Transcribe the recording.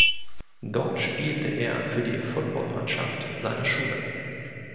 Dort spielte er für die Footballmannschaft seiner Schule.